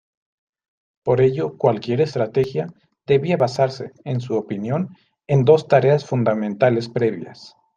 Por ello, cualquier estrategia debía basarse, en su opinión, en dos tareas fundamentales previas.